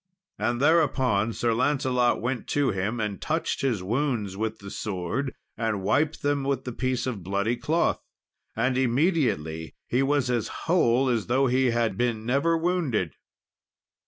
And thereupon, Sir Lancelot went to him and touched his wounds with the sword, and wiped them with the piece of bloody cloth. And immediately he was as whole as though he had been never wounded.